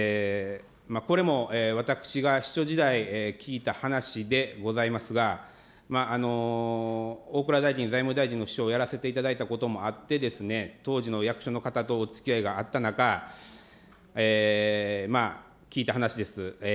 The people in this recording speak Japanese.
これも私が秘書時代、聞いた話でございますが、大蔵大臣、財務大臣の秘書をやらせていただいたこともあって、当時の役所の方とおつきあいがあった中、聞いた話です。